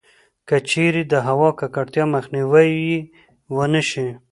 کـچـېرې د هوا کـکړتيا مخنيـوی يـې ونـه شـي٫